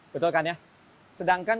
betul kan ya sedangkan